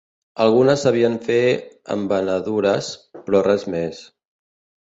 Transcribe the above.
Algunes sabien fer embenadures, però res més